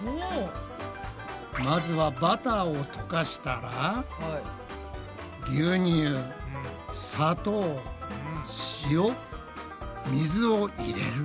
まずはバターを溶かしたら牛乳砂糖塩水を入れる。